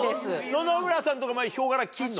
野々村さんとかもヒョウ柄着るの？